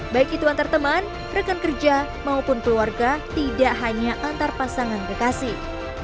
baik itu antar teman rekan kerja maupun keluarga tidak hanya antar pasangan kekasih